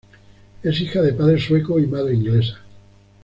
Es hija de padre sueco y madre inglesa.